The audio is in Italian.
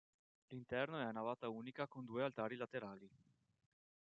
L'interno è a navata unica con due altari laterali.